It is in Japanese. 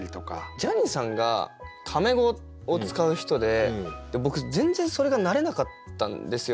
ジャニーさんがタメ語を使う人で僕全然それが慣れなかったんですよ。